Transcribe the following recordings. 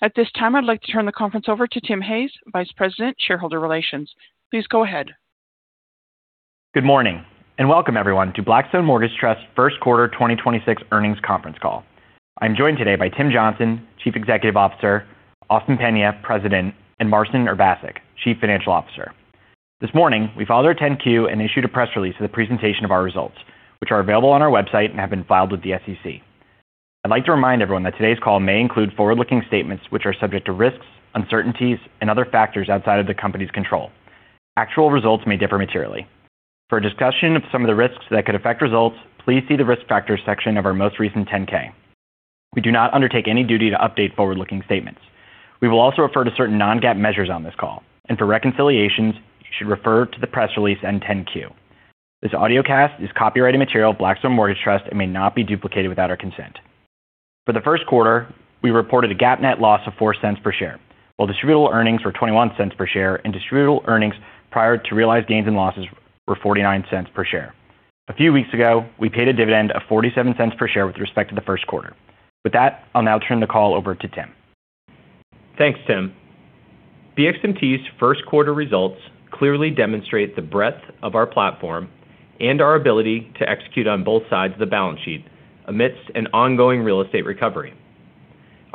At this time, I'd like to turn the conference over to Tim Hayes, Vice President, Shareholder Relations. Please go ahead. Good morning, and welcome everyone to Blackstone Mortgage Trust first quarter 2026 earnings conference call. I'm joined today by Tim Johnson, Chief Executive Officer, Austin Peña, President, and Marcin Urbaszek, Chief Financial Officer. This morning, we filed our Form 10-Q and issued a press release of the presentation of our results, which are available on our website and have been filed with the SEC. I'd like to remind everyone that today's call may include forward-looking statements which are subject to risks, uncertainties, and other factors outside of the company's control. Actual results may differ materially. For a discussion of some of the risks that could affect results, please see the Risk Factors section of our most recent Form 10-K. We do not undertake any duty to update forward-looking statements. We will also refer to certain non-GAAP measures on this call, and for reconciliations, you should refer to the press release and Form 10-Q. This audiocast is copyrighted material of Blackstone Mortgage Trust and may not be duplicated without our consent. For the first quarter, we reported a GAAP net loss of $0.04 per share, while distributable earnings were $0.21 per share and distributable earnings prior to realized gains and losses were $0.49 per share. A few weeks ago, we paid a dividend of $0.47 per share with respect to the first quarter. With that, I'll now turn the call over to Tim. Thanks, Tim. BXMT's first quarter results clearly demonstrate the breadth of our platform and our ability to execute on both sides of the balance sheet amidst an ongoing real estate recovery.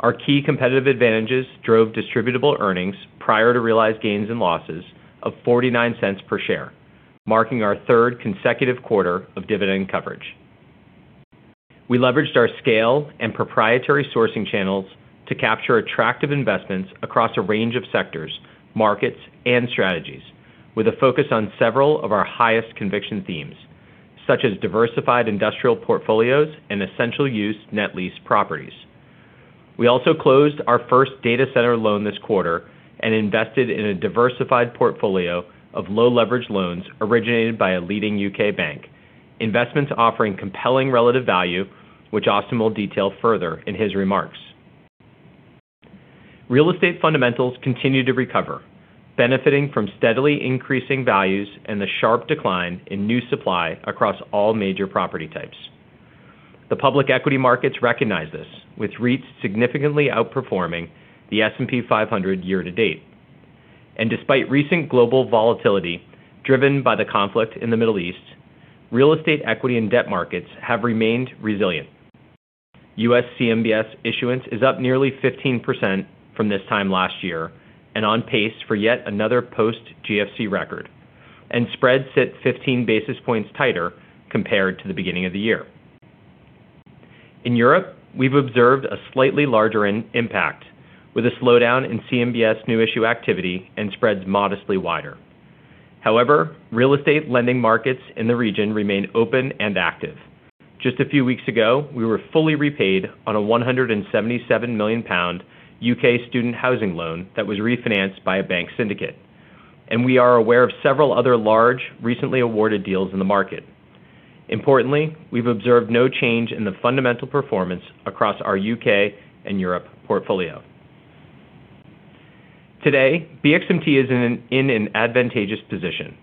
Our key competitive advantages drove distributable earnings prior to realized gains and losses of $0.49 per share, marking our third consecutive quarter of dividend coverage. We leveraged our scale and proprietary sourcing channels to capture attractive investments across a range of sectors, markets, and strategies, with a focus on several of our highest conviction themes, such as diversified industrial portfolios and essential use net lease properties. We also closed our first data center loan this quarter and invested in a diversified portfolio of low-leveraged loans originated by a leading U.K. bank. Investments offering compelling relative value, which Austin will detail further in his remarks. Real estate fundamentals continue to recover, benefiting from steadily increasing values and the sharp decline in new supply across all major property types. The public equity markets recognize this, with REITs significantly outperforming the S&P 500 year to date. Despite recent global volatility driven by the conflict in the Middle East, real estate equity and debt markets have remained resilient. U.S. CMBS issuance is up nearly 15% from this time last year and on pace for yet another post-GFC record, and spreads sit 15 basis points tighter compared to the beginning of the year. In Europe, we've observed a slightly larger impact, with a slowdown in CMBS new issue activity and spreads modestly wider. However, real estate lending markets in the region remain open and active. Just a few weeks ago, we were fully repaid on a 177 million pound U.K. student housing loan that was refinanced by a bank syndicate. We are aware of several other large, recently awarded deals in the market. Importantly, we've observed no change in the fundamental performance across our U.K. and Europe portfolio. Today, BXMT is in an advantageous position.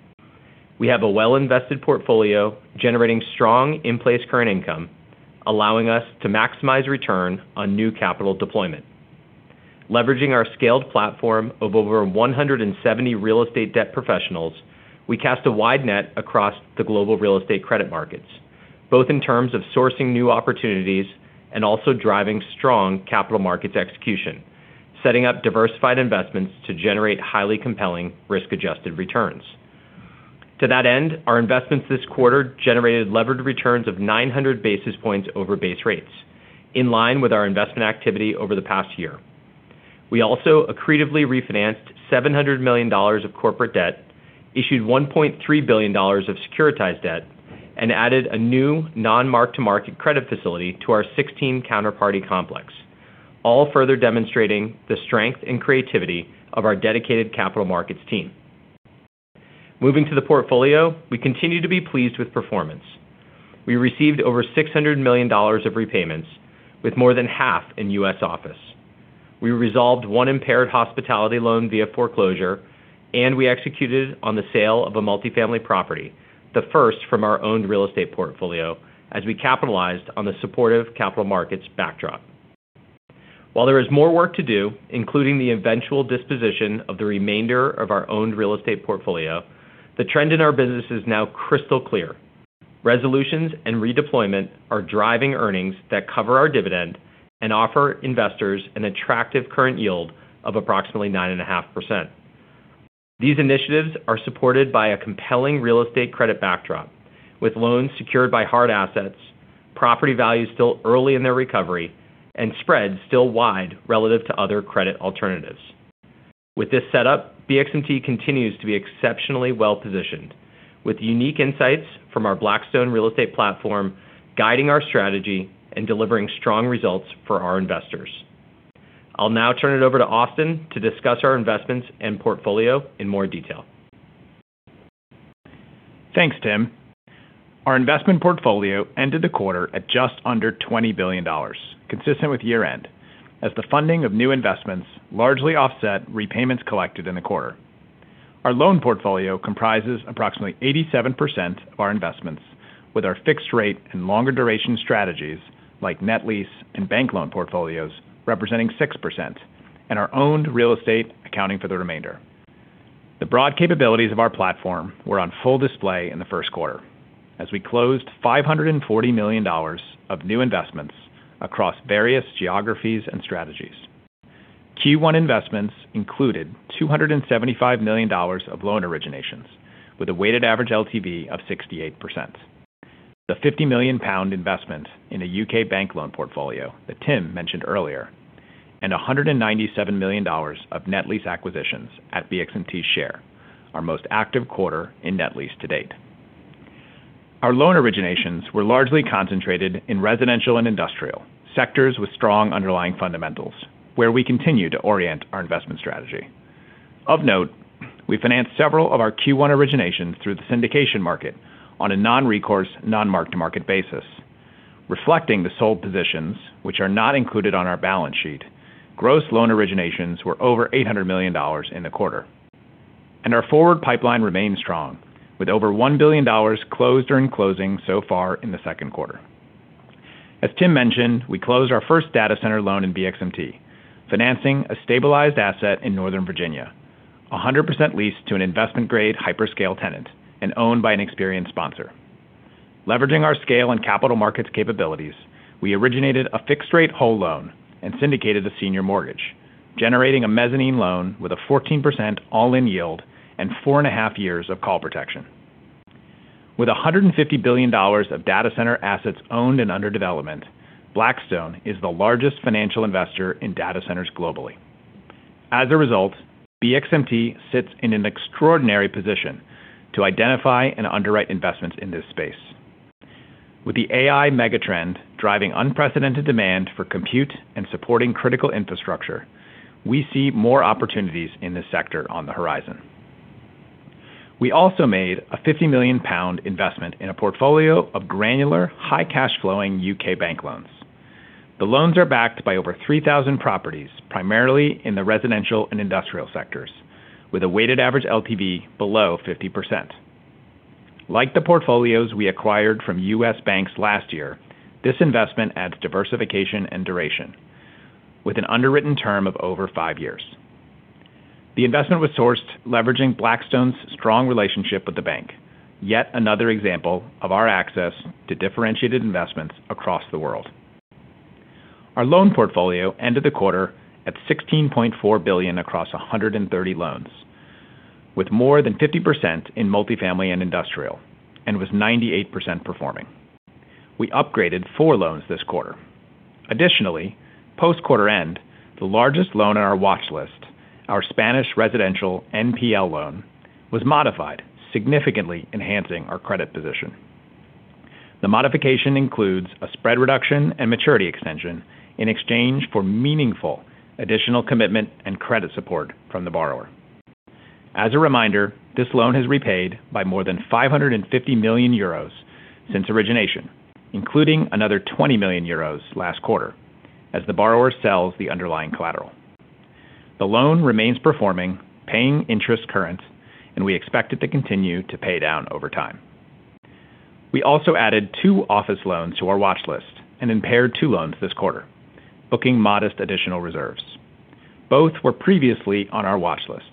We have a well-invested portfolio generating strong in-place current income, allowing us to maximize return on new capital deployment. Leveraging our scaled platform of over 170 real estate debt professionals, we cast a wide net across the global real estate credit markets, both in terms of sourcing new opportunities and also driving strong capital markets execution, setting up diversified investments to generate highly compelling risk-adjusted returns. To that end, our investments this quarter generated levered returns of 900 basis points over base rates, in line with our investment activity over the past year. We also accretively refinanced $700 million of corporate debt, issued $1.3 billion of securitized debt, and added a new non-mark-to-market credit facility to our 16 counterparty complex, all further demonstrating the strength and creativity of our dedicated capital markets team. Moving to the portfolio, we continue to be pleased with performance. We received over $600 million of repayments, with more than half in U.S. office. We resolved one impaired hospitality loan via foreclosure, and we executed on the sale of a multifamily property, the first from our owned real estate portfolio, as we capitalized on the supportive capital markets backdrop. While there is more work to do, including the eventual disposition of the remainder of our owned real estate portfolio, the trend in our business is now crystal clear. Resolutions and redeployment are driving earnings that cover our dividend and offer investors an attractive current yield of approximately 9.5%. These initiatives are supported by a compelling real estate credit backdrop, with loans secured by hard assets, property values still early in their recovery, and spreads still wide relative to other credit alternatives. With this setup, BXMT continues to be exceptionally well-positioned, with unique insights from our Blackstone real estate platform guiding our strategy and delivering strong results for our investors. I'll now turn it over to Austin to discuss our investments and portfolio in more detail. Thanks, Tim. Our investment portfolio ended the quarter at just under $20 billion, consistent with year-end, as the funding of new investments largely offset repayments collected in the quarter. Our loan portfolio comprises approximately 87% of our investments, with our fixed-rate and longer duration strategies like net lease and bank loan portfolios representing 6% and our owned real estate accounting for the remainder. The broad capabilities of our platform were on full display in the first quarter as we closed $540 million of new investments across various geographies and strategies. Q1 investments included $275 million of loan originations, with a weighted average LTV of 68%. The 50 million pound investment in a U.K. bank loan portfolio that Tim mentioned earlier, and $197 million of net lease acquisitions at BXMT's share, our most active quarter in net lease to date. Our loan originations were largely concentrated in residential and industrial sectors with strong underlying fundamentals, where we continue to orient our investment strategy. Of note, we financed several of our Q1 originations through the syndication market on a non-recourse, non-mark-to-market basis. Reflecting the sold positions, which are not included on our balance sheet, gross loan originations were over $800 million in the quarter, and our forward pipeline remains strong with over $1 billion closed or in closing so far in the second quarter. As Tim mentioned, we closed our first data center loan in BXMT, financing a stabilized asset in Northern Virginia, 100% leased to an investment-grade hyperscale tenant and owned by an experienced sponsor. Leveraging our scale and capital markets capabilities, we originated a fixed-rate whole loan and syndicated a senior mortgage, generating a mezzanine loan with a 14% all-in yield and four and a half years of call protection. With $150 billion of data center assets owned and under development, Blackstone is the largest financial investor in data centers globally. As a result, BXMT sits in an extraordinary position to identify and underwrite investments in this space. With the AI megatrend driving unprecedented demand for compute and supporting critical infrastructure, we see more opportunities in this sector on the horizon. We also made a 50 million pound investment in a portfolio of granular, high cash flowing U.K. bank loans. The loans are backed by over 3,000 properties, primarily in the residential and industrial sectors, with a weighted average LTV below 50%. Like the portfolios we acquired from U.S. banks last year, this investment adds diversification and duration with an underwritten term of over five years. The investment was sourced leveraging Blackstone's strong relationship with the bank. Yet another example of our access to differentiated investments across the world. Our loan portfolio ended the quarter at $16.4 billion across 130 loans, with more than 50% in multifamily and industrial, and was 98% performing. We upgraded four loans this quarter. Additionally, post quarter end, the largest loan on our watch list, our Spanish residential NPL loan, was modified, significantly enhancing our credit position. The modification includes a spread reduction and maturity extension in exchange for meaningful additional commitment and credit support from the borrower. As a reminder, this loan has repaid by more than 550 million euros since origination, including another 20 million euros last quarter as the borrower sells the underlying collateral. The loan remains performing, paying interest current, and we expect it to continue to pay down over time. We also added two office loans to our watch list and impaired two loans this quarter, booking modest additional reserves. Both were previously on our watch list.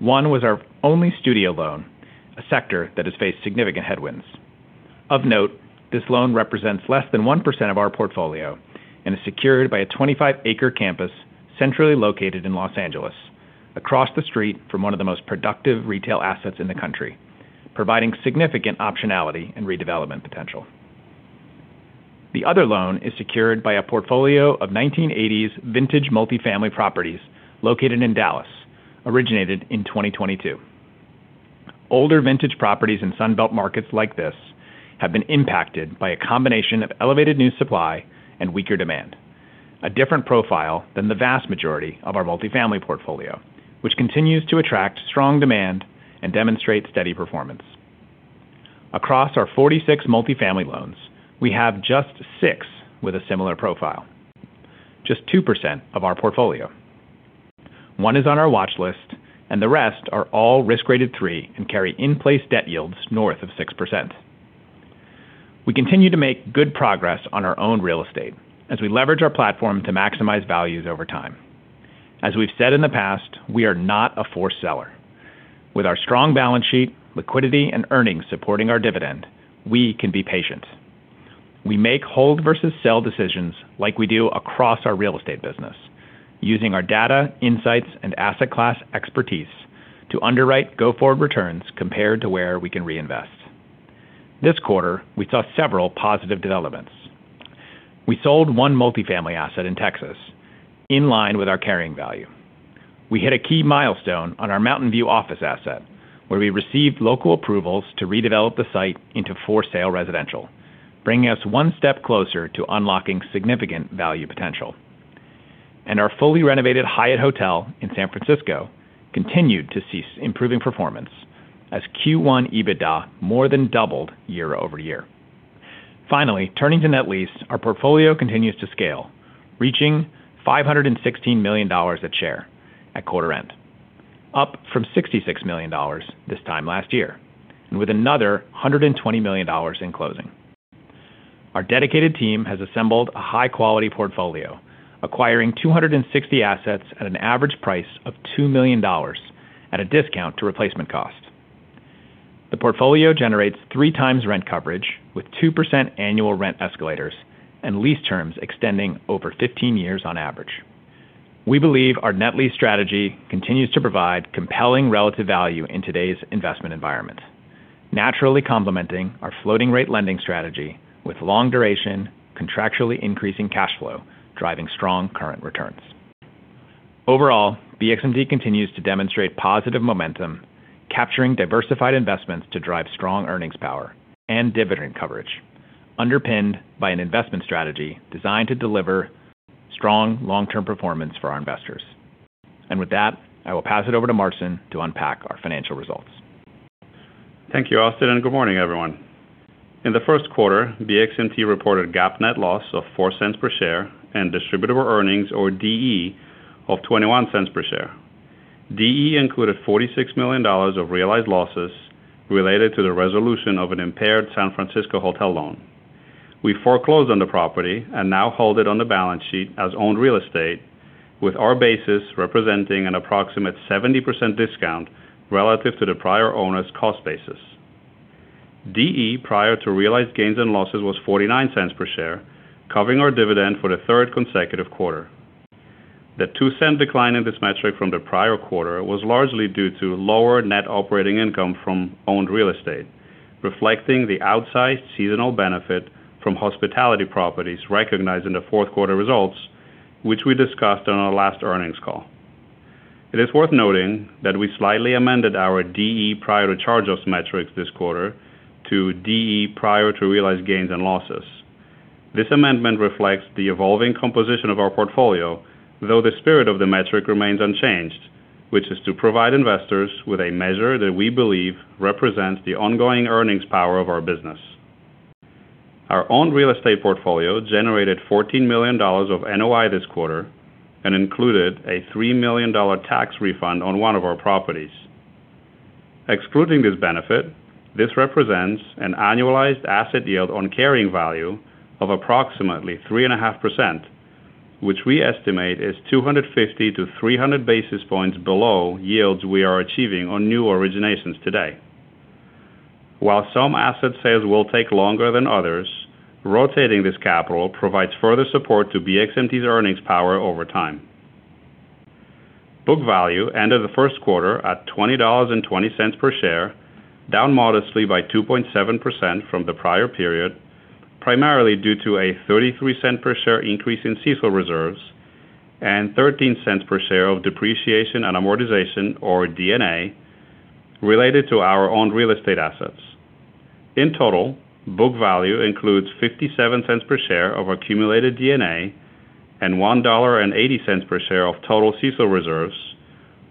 One was our only studio loan, a sector that has faced significant headwinds. Of note, this loan represents less than 1% of our portfolio and is secured by a 25 acre campus centrally located in L.A., across the street from one of the most productive retail assets in the country, providing significant optionality and redevelopment potential. The other loan is secured by a portfolio of 1980s vintage multifamily properties located in Dallas, originated in 2022. Older vintage properties in Sunbelt markets like this have been impacted by a combination of elevated new supply and weaker demand, a different profile than the vast majority of our multifamily portfolio, which continues to attract strong demand and demonstrate steady performance. Across our 46 multifamily loans, we have just six with a similar profile, just 2% of our portfolio. One is on our watch list, and the rest are all risk rated three and carry in-place debt yields north of 6%. We continue to make good progress on our own real estate as we leverage our platform to maximize values over time. As we've said in the past, we are not a forced seller. With our strong balance sheet, liquidity, and earnings supporting our dividend, we can be patient. We make hold versus sell decisions like we do across our real estate business, using our data, insights, and asset class expertise to underwrite go-forward returns compared to where we can reinvest. This quarter, we saw several positive developments. We sold one multifamily asset in Texas in line with our carrying value. We hit a key milestone on our Mountain View office asset, where we received local approvals to redevelop the site into for-sale residential, bringing us one step closer to unlocking significant value potential. Our fully renovated Hyatt Hotel in San Francisco continued to see improving performance as Q1 EBITDA more than doubled year-over-year. Finally, turning to net lease, our portfolio continues to scale, reaching $516 million a share at quarter end, up from $66 million this time last year, and with another $120 million in closing. Our dedicated team has assembled a high quality portfolio, acquiring 260 assets at an average price of $2 million at a discount to replacement cost. The portfolio generates three times rent coverage with 2% annual rent escalators and lease terms extending over 15 years on average. We believe our net lease strategy continues to provide compelling relative value in today's investment environment, naturally complementing our floating rate lending strategy with long duration, contractually increasing cash flow, driving strong current returns. Overall, BXMT continues to demonstrate positive momentum, capturing diversified investments to drive strong earnings power and dividend coverage, underpinned by an investment strategy designed to deliver strong long-term performance for our investors. With that, I will pass it over to Marcin to unpack our financial results. Thank you, Austin, and good morning, everyone. In the first quarter, BXMT reported GAAP net loss of $0.04 per share and distributable earnings or DE of $0.21 per share. DE included $46 million of realized losses related to the resolution of an impaired San Francisco hotel loan. We foreclosed on the property and now hold it on the balance sheet as owned real estate, with our basis representing an approximate 70% discount relative to the prior owner's cost basis. DE, prior to realized gains and losses, was $0.49 per share, covering our dividend for the third consecutive quarter. The $0.02 decline in this metric from the prior quarter was largely due to lower net operating income from owned real estate, reflecting the outsized seasonal benefit from hospitality properties recognized in the fourth quarter results, which we discussed on our last earnings call. It is worth noting that we slightly amended our DE prior to charge off metrics this quarter to DE prior to realized gains and losses. This amendment reflects the evolving composition of our portfolio, though the spirit of the metric remains unchanged, which is to provide investors with a measure that we believe represents the ongoing earnings power of our business. Our own real estate portfolio generated $14 million of NOI this quarter and included a $3 million tax refund on one of our properties. Excluding this benefit, this represents an annualized asset yield on carrying value of approximately 3.5%, which we estimate is 250 to 300 basis points below yields we are achieving on new originations today. While some asset sales will take longer than others, rotating this capital provides further support to BXMT's earnings power over time. Book value ended the first quarter at $20.20 per share, down modestly by 2.7% from the prior period, primarily due to a $0.33 per share increase in CECL reserves and $0.13 per share of depreciation and amortization or D&A related to our own real estate assets. In total, book value includes $0.57 per share of accumulated D&A and $1.80 per share of total CECL reserves,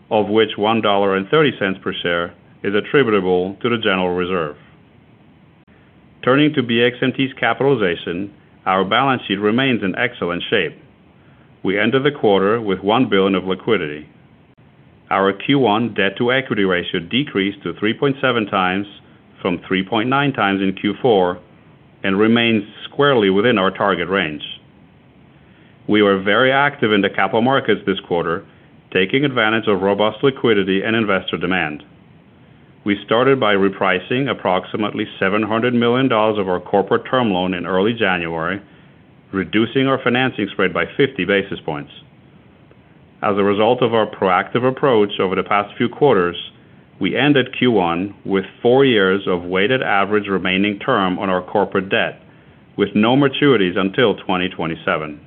of which $1.30 per share is attributable to the general reserve. Turning to BXMT's capitalization, our balance sheet remains in excellent shape. We ended the quarter with $1 billion of liquidity. Our Q1 debt-to-equity ratio decreased to 3.7x from 3.9x in Q4 and remains squarely within our target range. We were very active in the capital markets this quarter, taking advantage of robust liquidity and investor demand. We started by repricing approximately $700 million of our corporate term loan in early January, reducing our financing spread by 50 basis points. As a result of our proactive approach over the past few quarters, we ended Q1 with four years of weighted average remaining term on our corporate debt, with no maturities until 2027.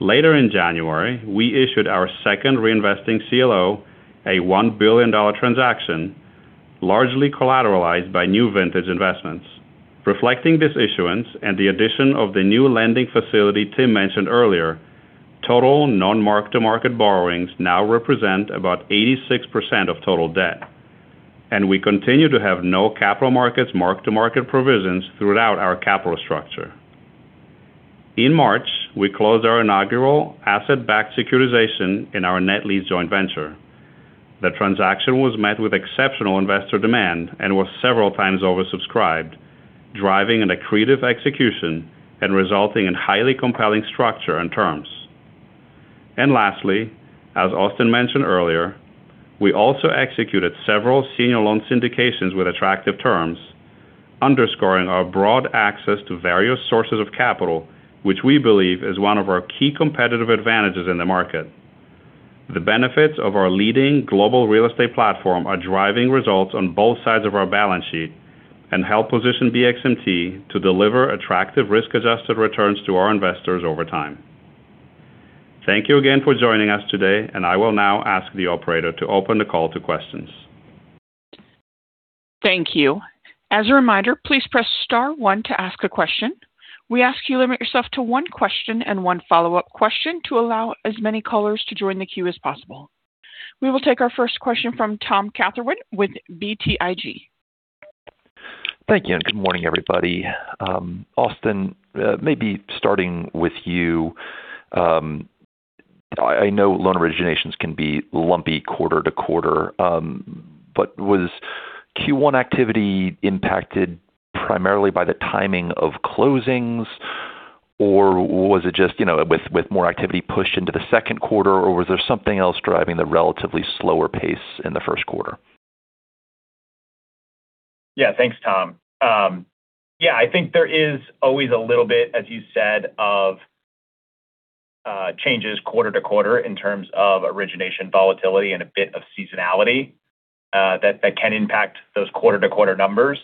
Later in January, we issued our second reinvesting CLO, a $1 billion transaction, largely collateralized by new vintage investments. Reflecting this issuance and the addition of the new lending facility Tim mentioned earlier, total non-mark-to-market borrowings now represent about 86% of total debt, and we continue to have no capital markets mark-to-market provisions throughout our capital structure. In March, we closed our inaugural asset-backed securitization in our net lease joint venture. The transaction was met with exceptional investor demand and was several times oversubscribed, driving an accretive execution and resulting in highly compelling structure and terms. Lastly, as Austin mentioned earlier, we also executed several senior loan syndications with attractive terms, underscoring our broad access to various sources of capital, which we believe is one of our key competitive advantages in the market. The benefits of our leading global real estate platform are driving results on both sides of our balance sheet and help position BXMT to deliver attractive risk-adjusted returns to our investors over time. Thank you again for joining us today, and I will now ask the operator to open the call to questions. Thank you. As a reminder, please press star one to ask a question. We ask you limit yourself to one question and one follow-up question to allow as many callers to join the queue as possible. We will take our first question from Tom Catherwood with BTIG. Thank you. Good morning, everybody. Austin, maybe starting with you. I know loan originations can be lumpy quarter to quarter. Was Q1 activity impacted primarily by the timing of closings? Was it just, you know, with more activity pushed into the second quarter? Was there something else driving the relatively slower pace in the first quarter? Yeah. Thanks, Tom. Yeah, I think there is always a little bit, as you said, of changes quarter-to-quarter in terms of origination volatility and a bit of seasonality that can impact those quarter-to-quarter numbers.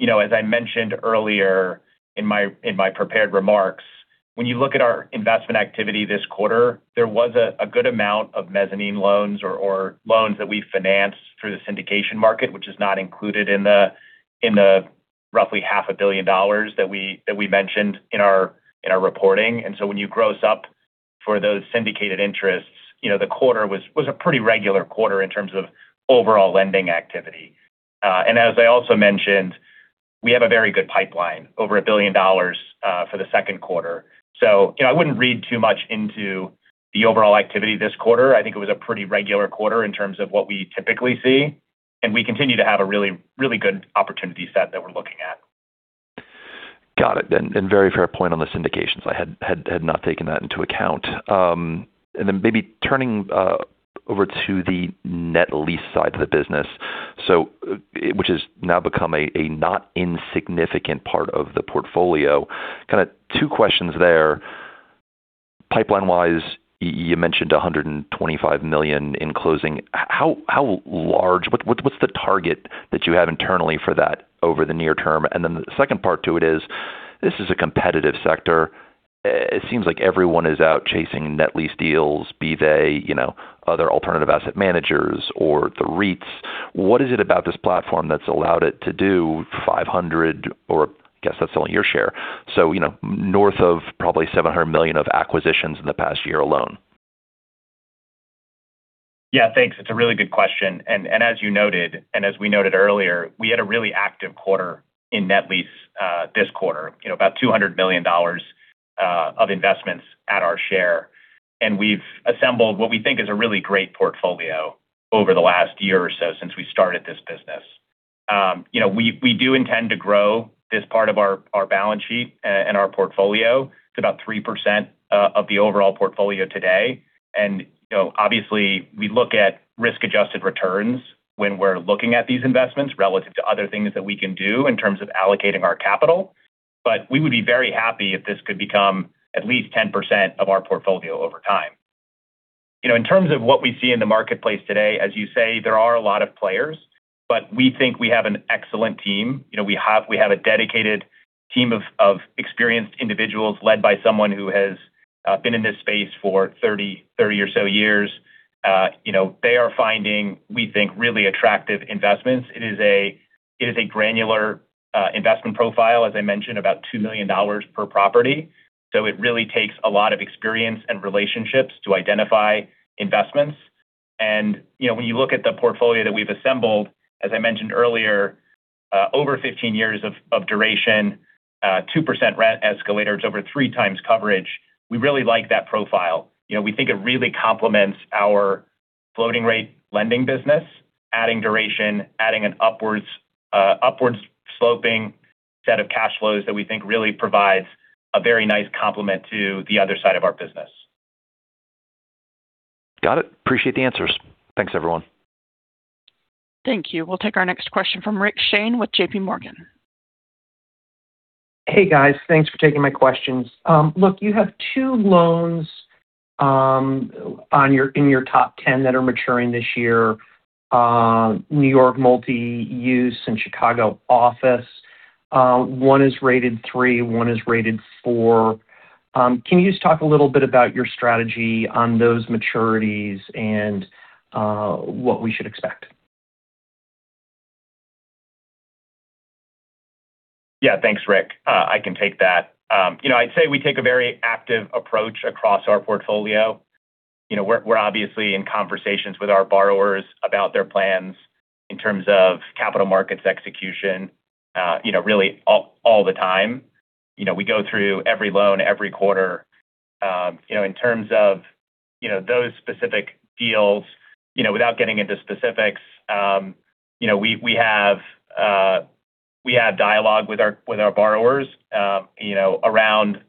You know, as I mentioned earlier in my prepared remarks, when you look at our investment activity this quarter, there was a good amount of mezzanine loans or loans that we financed through the syndication market, which is not included in the roughly half a billion dollars that we mentioned in our reporting. When you gross up for those syndicated interests, you know, the quarter was a pretty regular quarter in terms of overall lending activity. As I also mentioned, we have a very good pipeline, over $1 billion, for the second quarter. You know, I wouldn't read too much into the overall activity this quarter. I think it was a pretty regular quarter in terms of what we typically see, and we continue to have a really, really good opportunity set that we're looking at. Got it. Very fair point on the syndications. I had not taken that into account. Maybe turning over to the net lease side of the business, which has now become a not insignificant part of the portfolio. Kind of two questions there. Pipeline-wise, you mentioned $125 million in closing. How large. What's the target that you have internally for that over the near term? The second part to it is, this is a competitive sector. It seems like everyone is out chasing net lease deals, be they, you know, other alternative asset managers or the REITs. What is it about this platform that's allowed it to do $500 million or I guess that's only your share, so, you know, north of probably $700 million of acquisitions in the past year alone? Yeah. Thanks. It's a really good question. As you noted, and as we noted earlier, we had a really active quarter in net lease this quarter. You know, about $200 million of investments at our share. We've assembled what we think is a really great portfolio over the last year or so since we started this business. You know, we do intend to grow this part of our balance sheet and our portfolio to about 3% of the overall portfolio today. You know, obviously we look at risk-adjusted returns when we're looking at these investments relative to other things that we can do in terms of allocating our capital. We would be very happy if this could become at least 10% of our portfolio over time. You know, in terms of what we see in the marketplace today, as you say, there are a lot of players, but we think we have an excellent team. You know, we have a dedicated team of experienced individuals led by someone who has been in this space for 30 or so years. You know, they are finding, we think, really attractive investments. It is a granular investment profile, as I mentioned, about $2 million per property, so it really takes a lot of experience and relationships to identify investments. You know, when you look at the portfolio that we've assembled, as I mentioned earlier, over 15 years of duration, 2% rent escalators over three times coverage, we really like that profile. You know, we think it really complements our floating rate lending business, adding duration, adding an upwards sloping set of cash flows that we think really provides a very nice complement to the other side of our business. Got it. Appreciate the answers. Thanks, everyone. Thank you. We'll take our next question from Rich Shane with JPMorgan. Hey, guys. Thanks for taking my questions. Look, you have two loans in your top 10 that are maturing this year, New York Multi-Use and Chicago Office. One is rated three, one is rated four. Can you just talk a little bit about your strategy on those maturities and what we should expect? Yeah. Thanks, Rick. I can take that. You know, I'd say we take a very active approach across our portfolio. You know, we're obviously in conversations with our borrowers about their plans in terms of capital markets execution, you know, really all the time. You know, we go through every loan every quarter. You know, in terms of, you know, those specific deals, you know, without getting into specifics, you know, we have dialogue with our borrowers, you know, around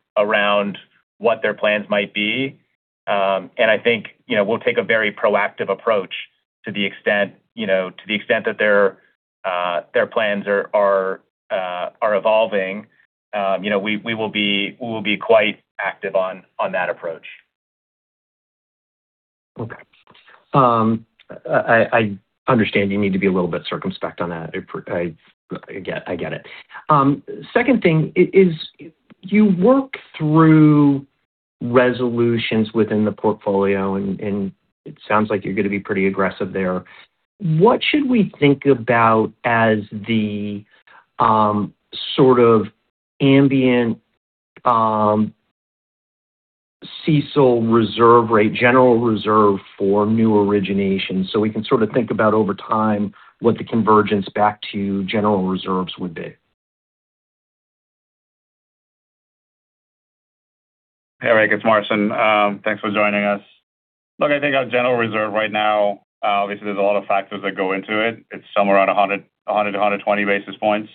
what their plans might be. I think, you know, we'll take a very proactive approach to the extent, you know, to the extent that their plans are evolving, you know, we will be quite active on that approach. Okay. I understand you need to be a little bit circumspect on that. I get it. Second thing is you work through resolutions within the portfolio, and it sounds like you're gonna be pretty aggressive there. What should we think about as the sort of ambient? CECL reserve rate, general reserve for new originations. We can sort of think about over time what the convergence back to general reserves would be. Hey, Rick, it's Marcin. Thanks for joining us. Look, I think our general reserve right now, obviously there's a lot of factors that go into it. It's somewhere around 100 to 120 basis points.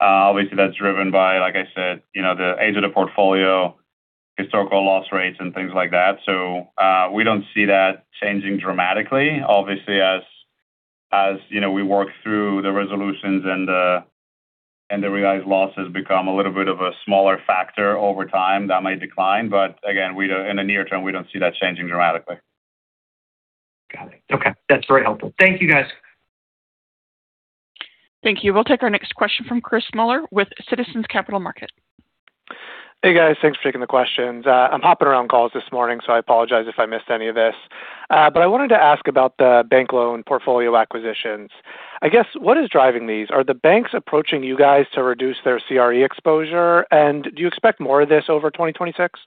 Obviously that's driven by, like I said, you know, the age of the portfolio, historical loss rates and things like that. We don't see that changing dramatically. Obviously, as, you know, we work through the resolutions and the realized losses become a little bit of a smaller factor over time, that might decline. Again, in the near term, we don't see that changing dramatically. Got it. Okay. That's very helpful. Thank you, guys. Thank you. We'll take our next question from Chris Muller with Citizens Capital Markets. Hey, guys. Thanks for taking the questions. I'm hopping around calls this morning, so I apologize if I missed any of this. I wanted to ask about the bank loan portfolio acquisitions. I guess, what is driving these? Are the banks approaching you guys to reduce their CRE exposure? Do you expect more of this over 2026?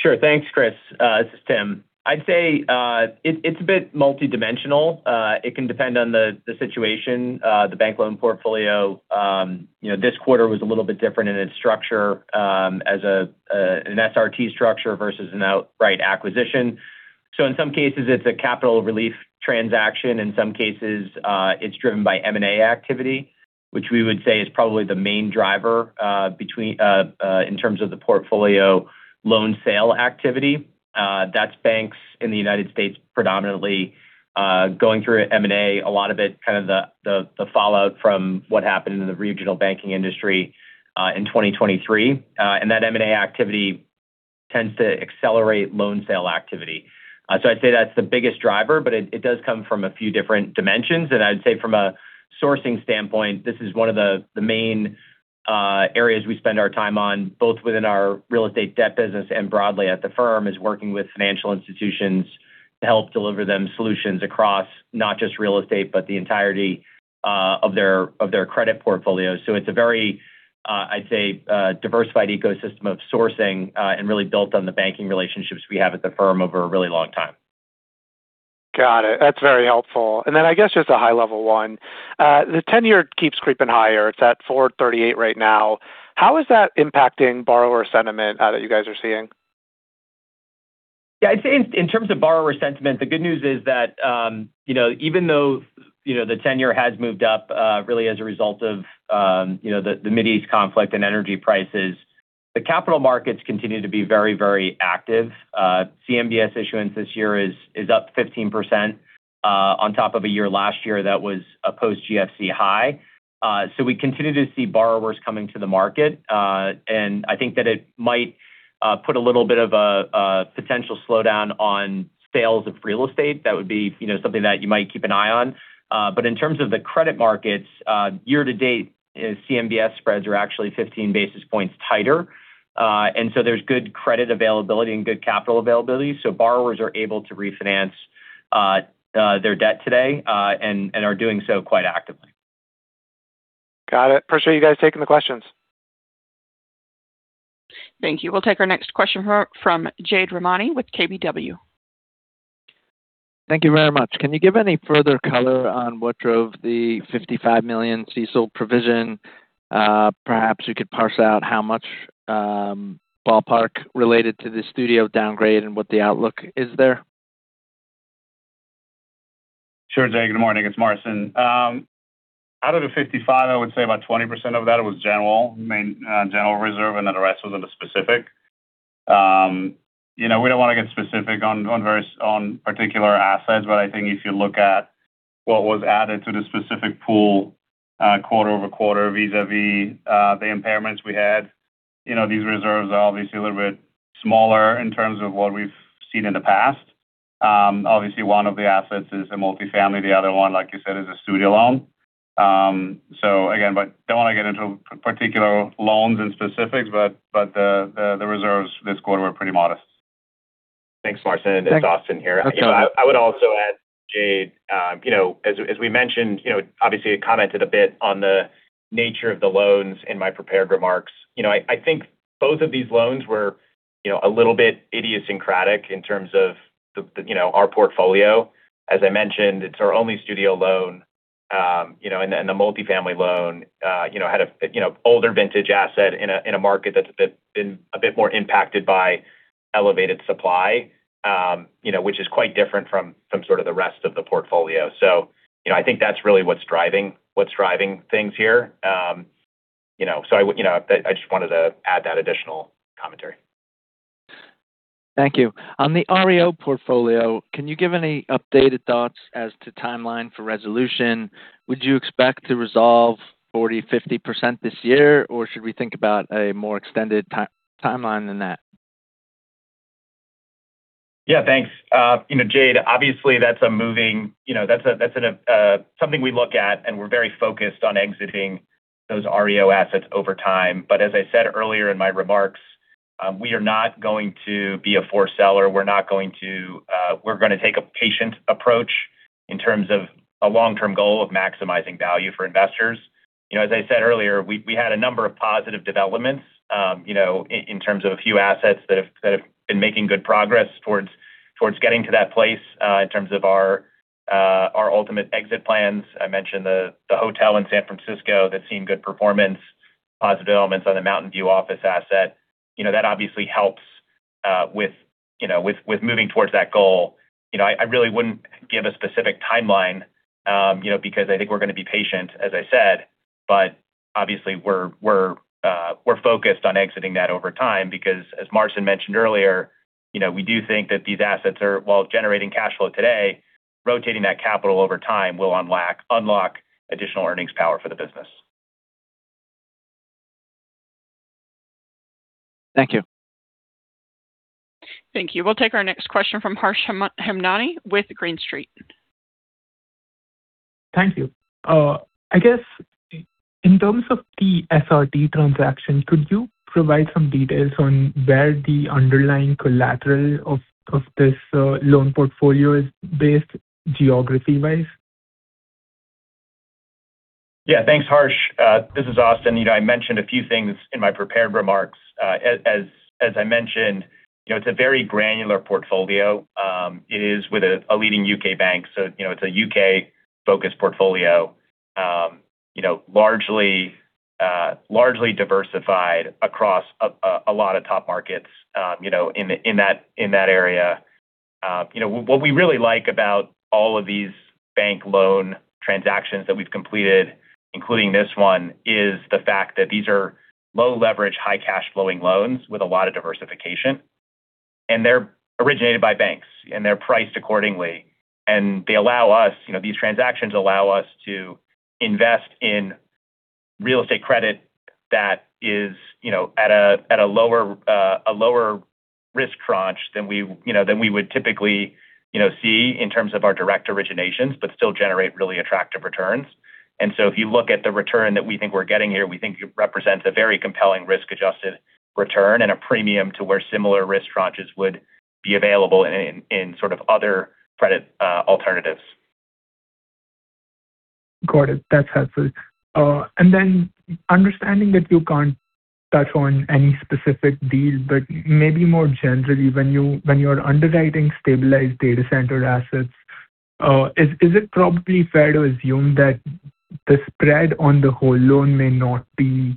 Sure. Thanks, Chris. It's Tim. I'd say, it's a bit multidimensional. It can depend on the situation. The bank loan portfolio, you know, this quarter was a little bit different in its structure, as an SRT structure versus an outright acquisition. In some cases, it's a capital relief transaction. In some cases, it's driven by M&A activity, which we would say is probably the main driver between in terms of the portfolio loan sale activity. That's banks in the U.S. predominantly, going through M&A. A lot of it kind of the fallout from what happened in the regional banking industry, in 2023. That M&A activity tends to accelerate loan sale activity. So I'd say that's the biggest driver, but it does come from a few different dimensions. I'd say from a sourcing standpoint, this is one of the main areas we spend our time on, both within our real estate debt business and broadly at the firm, is working with financial institutions to help deliver them solutions across not just real estate, but the entirety of their, of their credit portfolio. It's a very, I'd say, diversified ecosystem of sourcing, and really built on the banking relationships we have at the firm over a really long time. Got it. That's very helpful. I guess just a high-level one. The tenure keeps creeping higher. It's at 4.38 right now. How is that impacting borrower sentiment that you guys are seeing? I'd say in terms of borrower sentiment, the good news is that, you know, even though, you know, the tenure has moved up, really as a result of, you know, the Middle East conflict and energy prices, the capital markets continue to be very, very active. CMBS issuance this year is up 15%, on top of a year last year that was a post GFC high. We continue to see borrowers coming to the market. I think that it might put a little bit of a potential slowdown on sales of real estate. That would be, you know, something that you might keep an eye on. In terms of the credit markets, year to date, CMBS spreads are actually 15 basis points tighter. There's good credit availability and good capital availability, so borrowers are able to refinance their debt today, and are doing so quite actively. Got it. Appreciate you guys taking the questions. Thank you. We'll take our next question from Jade Rahmani with KBW. Thank you very much. Can you give any further color on what drove the $55 million CECL provision? Perhaps you could parse out how much ballpark related to the studio downgrade and what the outlook is there. Sure, Jade. Good morning. It's Marcin. Out of the 55, I would say about 20% of that was general reserve, and then the rest was in the specific. You know, we don't wanna get specific on particular assets, but I think if you look at what was added to the specific pool, quarter-over-quarter vis-a-vis the impairments we had, you know, these reserves are obviously a little bit smaller in terms of what we've seen in the past. Obviously one of the assets is a multifamily, the other one, like you said, is a studio loan. Don't wanna get into particular loans and specifics, but the reserves this quarter were pretty modest. Thanks, Marcin. It's Austin here. Okay. You know, I would also add, Jade, you know, as we mentioned, you know, obviously I commented a bit on the nature of the loans in my prepared remarks. You know, I think both of these loans were, you know, a little bit idiosyncratic in terms of the, you know, our portfolio. As I mentioned, it's our only studio loan. You know, and then the multifamily loan, you know, had a, you know, older vintage asset in a market that's been a bit more impacted by elevated supply, you know, which is quite different from sort of the rest of the portfolio. You know, I think that's really what's driving things here. You know, I just wanted to add that additional commentary. Thank you. On the REO portfolio, can you give any updated thoughts as to timeline for resolution? Would you expect to resolve 40%, 50% this year, or should we think about a more extended timeline than that? Yeah, thanks. You know, Jade, obviously, that's a moving, you know, something we look at. We're very focused on exiting those REO assets over time. As I said earlier in my remarks, we are not going to be a foreseller. We're going to take a patient approach in terms of a long-term goal of maximizing value for investors. You know, as I said earlier, we had a number of positive developments, you know, in terms of a few assets that have been making good progress towards getting to that place in terms of our ultimate exit plans. I mentioned the hotel in San Francisco that's seen good performance, positive elements on the Mountain View office asset. You know, that obviously helps, with, you know, with moving towards that goal. You know, I really wouldn't give a specific timeline, you know, because I think we're gonna be patient, as I said. Obviously we're focused on exiting that over time because as Marcin mentioned earlier, you know, we do think that these assets are, while generating cash flow today, rotating that capital over time will unlock additional earnings power for the business. Thank you. Thank you. We'll take our next question from Harsh Hemnani with Green Street. Thank you. I guess in terms of the SRT transaction, could you provide some details on where the underlying collateral of this loan portfolio is based geography-wise? Yeah. Thanks, Harsh. This is Austin. You know, I mentioned a few things in my prepared remarks. As I mentioned, you know, it's a very granular portfolio. It is with a leading U.K. bank, so, you know, it's a U.K.-focused portfolio. You know, largely diversified across a lot of top markets, you know, in that area. You know, what we really like about all of these bank loan transactions that we've completed, including this one, is the fact that these are low leverage, high cash flowing loans with a lot of diversification, and they're originated by banks, and they're priced accordingly. You know, these transactions allow us to invest in real estate credit that is, you know, at a lower risk tranche than we, you know, would typically, you know, see in terms of our direct originations but still generate really attractive returns. If you look at the return that we think we're getting here, we think it represents a very compelling risk-adjusted return and a premium to where similar risk tranches would be available in sort of other credit alternatives. Got it. That's helpful. Understanding that you can't touch on any specific deals, but maybe more generally, when you, when you're underwriting stabilized data center assets, is it probably fair to assume that the spread on the whole loan may not be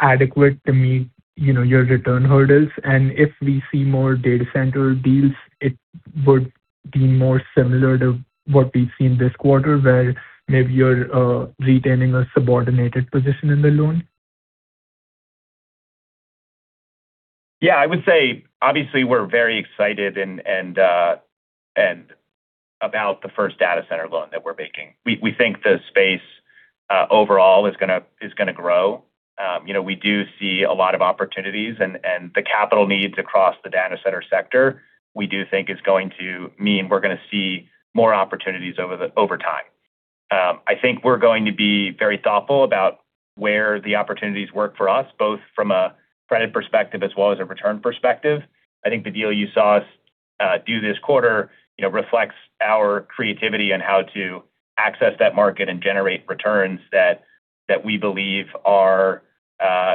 adequate to meet your return hurdles? If we see more data center deals, it would be more similar to what we've seen this quarter where maybe you're retaining a subordinated position in the loan? Yeah. I would say obviously we're very excited and about the first data center loan that we're making. We think the space overall is gonna grow. You know, we do see a lot of opportunities and the capital needs across the data center sector we do think is going to mean we're gonna see more opportunities over time. I think we're going to be very thoughtful about where the opportunities work for us, both from a credit perspective as well as a return perspective. I think the deal you saw us do this quarter, you know, reflects our creativity on how to access that market and generate returns that we believe are,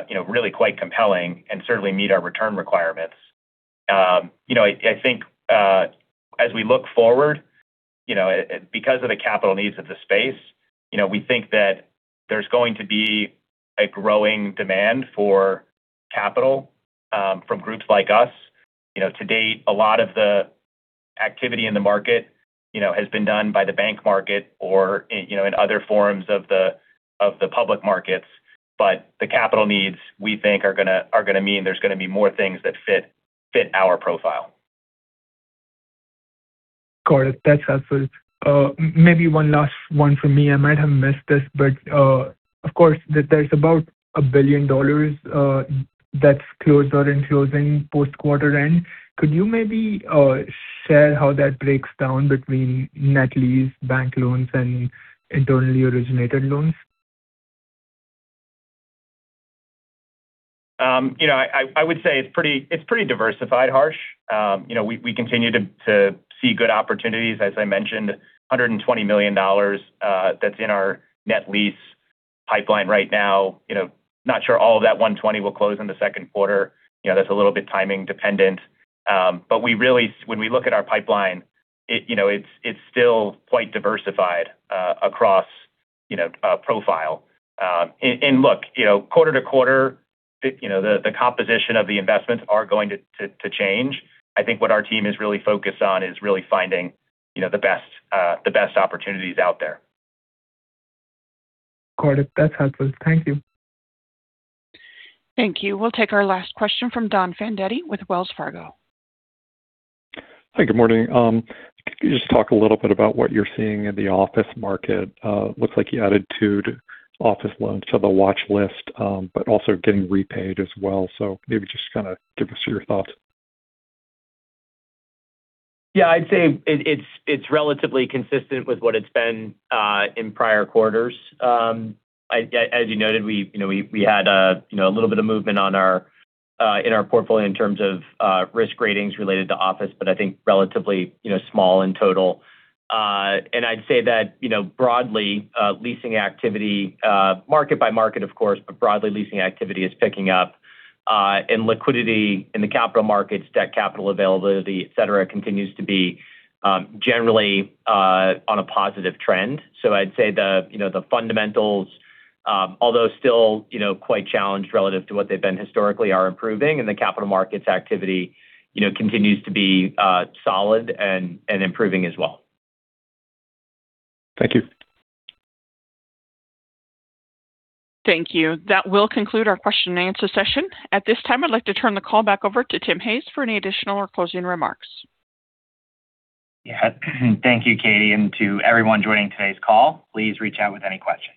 you know, really quite compelling and certainly meet our return requirements. You know, I think, as we look forward, you know, because of the capital needs of the space, you know, we think that there's going to be a growing demand for capital from groups like us. You know, to date, a lot of the activity in the market, you know, has been done by the bank market or in other forums of the, of the public markets. The capital needs, we think, are gonna mean there's gonna be more things that fit our profile. Got it. That's helpful. Maybe one last one from me. I might have missed this. Of course, there's about $1 billion that's closed or in closing post quarter end. Could you maybe share how that breaks down between net lease bank loans and internally originated loans? You know, I, I would say it's pretty, it's pretty diversified, Harsh. You know, we continue to see good opportunities. As I mentioned, $120 million that's in our net lease pipeline right now. You know, not sure all of that 120 will close in the second quarter. You know, that's a little bit timing dependent. When we look at our pipeline, you know, it's still quite diversified across, you know, profile. Look, you know, quarter to quarter, the, you know, the composition of the investments are going to change. I think what our team is really focused on is really finding, you know, the best, the best opportunities out there. Got it. That's helpful. Thank you. Thank you. We'll take our last question from Donald Fandetti with Wells Fargo. Hi. Good morning. Could you just talk a little bit about what you're seeing in the office market? Looks like you added two office loans to the watch list, but also getting repaid as well. Maybe just kinda give us your thoughts. I'd say it's relatively consistent with what it's been in prior quarters. As you noted, we, you know, we had, you know, a little bit of movement on our in our portfolio in terms of risk ratings related to office, but I think relatively, you know, small in total. I'd say that, you know, broadly, leasing activity, market by market of course, but broadly leasing activity is picking up. Liquidity in the capital markets, debt capital availability, et cetera, continues to be generally on a positive trend. I'd say the, you know, the fundamentals, although still, you know, quite challenged relative to what they've been historically, are improving, and the capital markets activity, you know, continues to be solid and improving as well. Thank you. Thank you. That will conclude our question and answer session. At this time, I'd like to turn the call back over to Tim Hayes for any additional or closing remarks. Yeah. Thank you, Katie, and to everyone joining today's call. Please reach out with any questions.